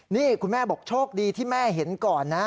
นี่คุณแม่บอกโชคดีที่แม่เห็นก่อนนะ